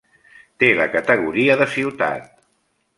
Té la categoria de ciutat.